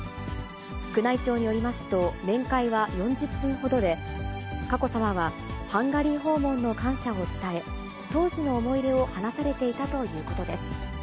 宮内庁によりますと、面会は４０分ほどで、佳子さまは、ハンガリー訪問の感謝を伝え、当時の思い出を話されていたということです。